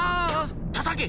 たたけ！